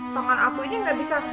tangan aku ini gak bisa